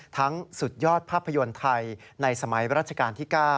สุดยอดภาพยนตร์ไทยในสมัยรัชกาลที่๙